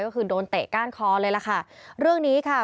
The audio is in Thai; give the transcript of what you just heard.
ก็คือโดนเตะก้านคอเลยล่ะค่ะเรื่องนี้ค่ะ